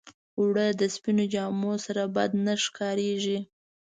اوړه د سپينو جامو سره بد نه ښکارېږي